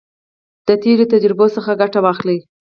د تیرو تجربو څخه ګټه واخلئ.